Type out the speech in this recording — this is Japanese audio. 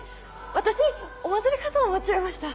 私お祭りかと思っちゃいました。